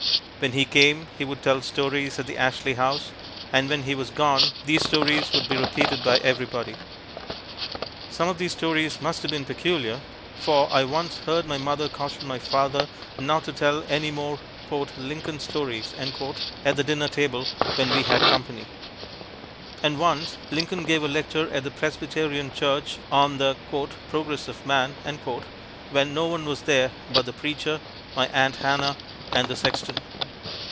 When he came he would tell stories at the Ashley House, and when he was gone these stories would be repeated by everybody. Some of these stories must have been peculiar, for I once heard my mother caution my father not to tell any more "Lincoln stories" at the dinner table when we had company. And once Lincoln gave a lecture at the Presbyterian Church on the "Progress of Man," when no one was there but the preacher, my Aunt Hannah and the sexton.